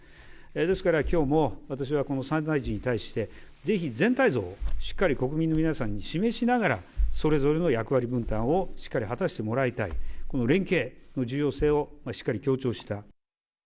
ですからきょうも、私はこの３大臣に対して、ぜひ、全体像をしっかり国民の皆さんに示しながら、それぞれの役割分担をしっかり果たしてもらいたい、この連携の重要性をしっかり強調した。